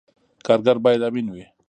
کارګر باید امین وي